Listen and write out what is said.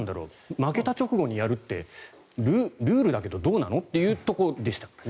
負けた直後にやるってルールだけどどうなの？というところでしたね。